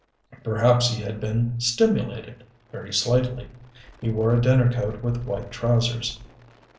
Perhaps he had been stimulated, very slightly. He wore a dinner coat with white trousers.